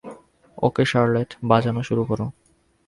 ওকে Charlotte, বাজানো শুরু করো।